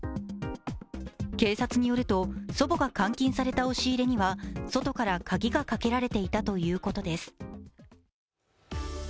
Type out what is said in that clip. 警察によると、祖母が監禁された押し入れには外から鍵がかけられていたということです。